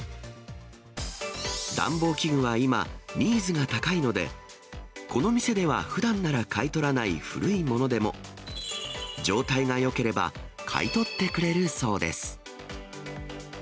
暖房器具は今、ニーズが高いので、この店ではふだんなら買い取らない古いものでも、状態がよければ、買い取ってくれるそうです。